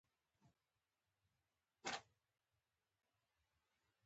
د نړۍ اکثریت جنګونه اقتصادي ضرورت وي.